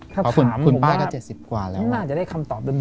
ก็คุณป่าก็๗๐กว่าเรา